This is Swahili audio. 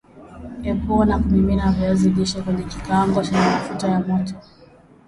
Epua na kumimina viazi lishe kwenye kikaango chenye mafuta ya moto